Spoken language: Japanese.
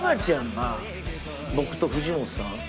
僕と藤本さん